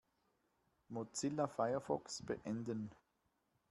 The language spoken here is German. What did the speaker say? Mozilla Firefox beenden.